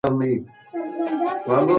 موږ باید د خپلو اتلانو درناوی وکړو.